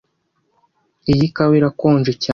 Iyi kawa irakonje cyane